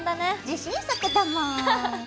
自信作だもん！